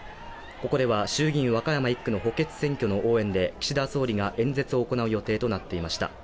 ここでは衆議院和歌山１区の補欠選挙の応援で岸田総理が演説を行う予定となっていました。